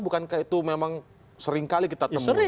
bukankah itu memang sering kali kita temui